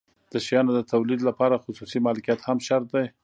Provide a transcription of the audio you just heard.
د شیانو د تولید لپاره خصوصي مالکیت هم شرط دی.